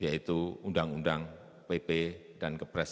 yaitu undang undang pp dan kepres